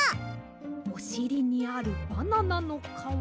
おしりにあるバナナのかわ。